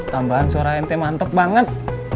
tambahan suara ente mantep banget